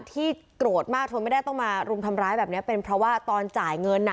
ที่โกรธมากทนไม่ได้ต้องมารุมทำร้ายแบบนี้เป็นเพราะว่าตอนจ่ายเงิน